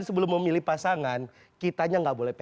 sebelum memilih pasangan kitanya nggak boleh